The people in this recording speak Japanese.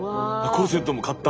コルセットも買った！